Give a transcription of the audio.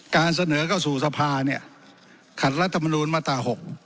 การเสนอก็สู่สภาขัดรัฐมนุษย์มาตรา๖